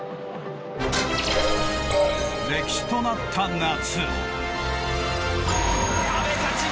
歴史となった夏。